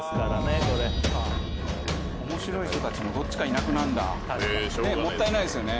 面白い人達もどっちかいなくなんだもったいないですよね・